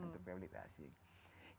termasuk rehabilitasi masih pakai bahasa inggris